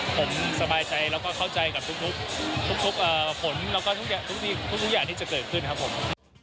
ผมสบายใจแล้วก็เข้าใจกับทุกผลแล้วก็ทุกอย่างที่จะเกิดขึ้นครับผม